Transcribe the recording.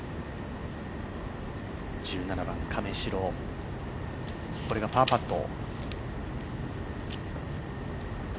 １７番、亀代、これがパーパット。